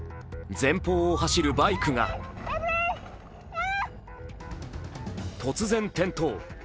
前方を走るバイクが突然、転倒。